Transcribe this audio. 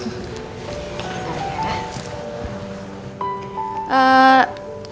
saya mau pesan ini deh